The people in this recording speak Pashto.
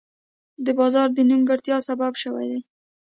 د بازار د نیمګړتیا سبب شوي دي.